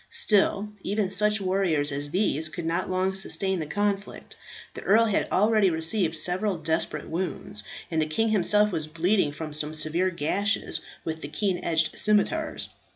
Still, even such warriors as these could not long sustain the conflict. The earl had already received several desperate wounds, and the king himself was bleeding from some severe gashes with the keen edged scimitars.